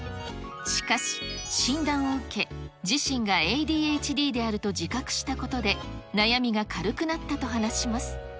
しかし、診断を受け、自身がＡＤＨＤであると自覚したことで、悩みが軽くなったと話します。